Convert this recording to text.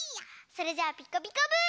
それじゃあ「ピカピカブ！」。